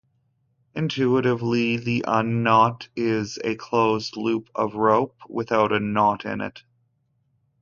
Intuitively, the unknot is a closed loop of rope without a knot in it.